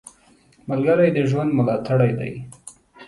ملګری د ژوند ملاتړ دی